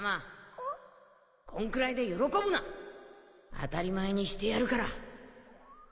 当たり前にしてやるから